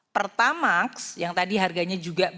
pertamax yang tadi harganya juga